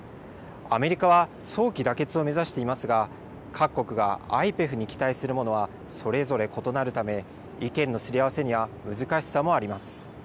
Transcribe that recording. アメリカは、早期妥結を目指していますが、各国がＩＰＥＦに期待するものはそれぞれ異なるため、意見のすり合わせには難しさもあります。